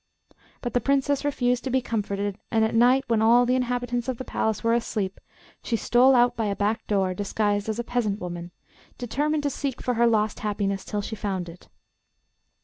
But the Princess refused to be comforted, and at night, when all the inhabitants of the palace were asleep, she stole out by a back door, disguised as a peasant woman, determined to seek for her lost happiness till she found it.